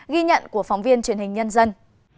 ghi nhận của phóng viên truyền hình nhân dân